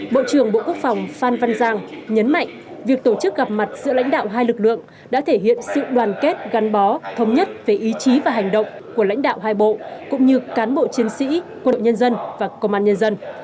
bộ trưởng bộ quốc phòng phan văn giang nhấn mạnh việc tổ chức gặp mặt giữa lãnh đạo hai lực lượng đã thể hiện sự đoàn kết gắn bó thống nhất về ý chí và hành động của lãnh đạo hai bộ cũng như cán bộ chiến sĩ quân đội nhân dân và công an nhân dân